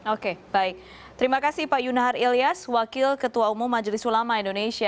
oke baik terima kasih pak yunahar ilyas wakil ketua umum majelis ulama indonesia